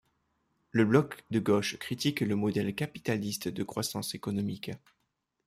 Le Bloc de gauche critique le modèle capitaliste de croissance économique.